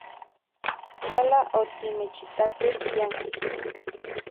Yala otimechitakej tiankisko.